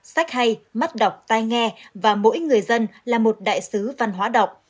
sách hay mắt đọc tai nghe và mỗi người dân là một đại sứ văn hóa đọc